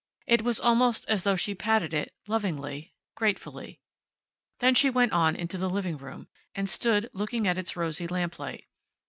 It was almost as though she patted it, lovingly, gratefully. Then she went on into the living room, and stood looking at its rosy lamplight.